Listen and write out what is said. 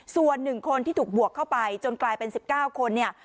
ส่วน๑คนที่ถูกบวกเข้าไปจนกลายเป็น๑๙คนเนี่ย